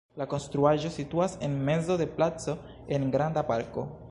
La konstruaĵo situas en mezo de placo en granda parko.